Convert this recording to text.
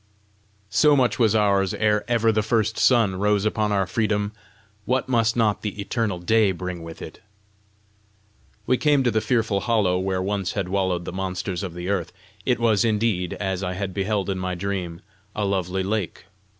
So much was ours ere ever the first sun rose upon our freedom: what must not the eternal day bring with it! We came to the fearful hollow where once had wallowed the monsters of the earth: it was indeed, as I had beheld it in my dream, a lovely lake.